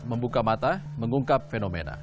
membuka mata mengungkap fenomena